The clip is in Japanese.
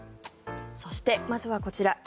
そして、まずはこちら。